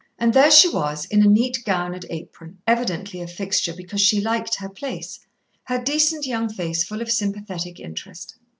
And there she was, in a neat gown and apron, evidently a fixture because she liked her place, her decent young face full of sympathetic interest.